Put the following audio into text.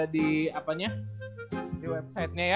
di website nya ya